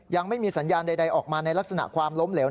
ยังไม่มีสัญญาณใดออกมาในลักษณะความล้มเหลว